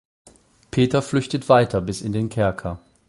Peter flüchtet weiter bis in den Kerker.